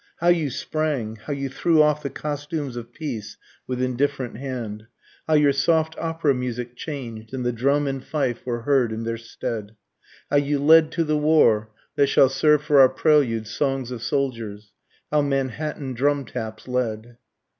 How you sprang how you threw off the costumes of peace with indifferent hand, How your soft opera music changed, and the drum and fife were heard in their stead, How you led to the war, (that shall serve for our prelude, songs of soldiers,) How Manhattan drum taps led.